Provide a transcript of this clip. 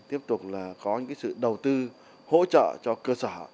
tiếp tục có sự đầu tư hỗ trợ cho cơ sở